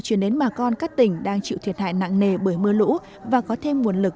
chuyển đến bà con các tỉnh đang chịu thiệt hại nặng nề bởi mưa lũ và có thêm nguồn lực